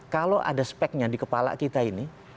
kalau ada speknya di kepala kita ini